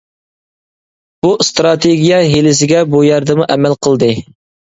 بۇ ئىستراتېگىيە ھىيلىسىگە بۇ يەردىمۇ ئەمەل قىلدى.